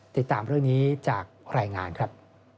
ติดตามเรื่องนี้จากรายงานครับ